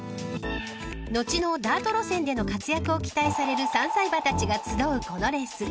［後のダート路線での活躍を期待される３歳馬たちが集うこのレース］